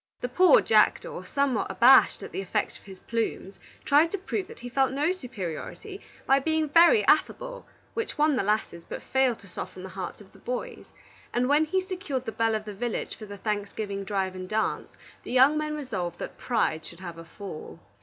The poor jackdaw, somewhat abashed at the effect of his plumes, tried to prove that he felt no superiority, by being very affable, which won the lasses, but failed to soften the hearts of the boys; and when he secured the belle of the village for the Thanksgiving drive and dance, the young men resolved that pride should have a fall.